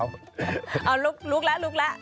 เอาลุกแล้วลุกแล้ว